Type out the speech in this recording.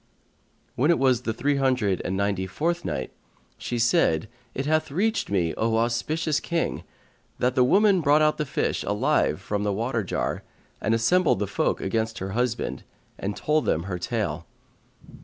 When it was the Three Hundred and Ninety fourth Night She said, It hath reached me, O auspicious King, that the woman brought out the fish alive from the water jar and assembled the folk against her husband, and told them her tale.